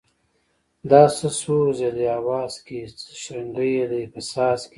دا څه سوز یې دی اواز کی څه شرنگی یې دی په ساز کی